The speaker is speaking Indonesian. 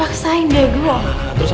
aku nggak mau tempesh